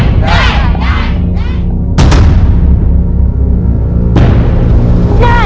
คุณฝนจากชายบรรยาย